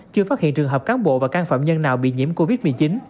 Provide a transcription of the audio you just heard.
chưa phát hiện trường hợp cán bộ và căn phạm nhân nào bị nhiễm covid một mươi chín